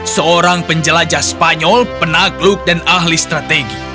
seorang penjelajah spanyol penakluk dan ahli strategi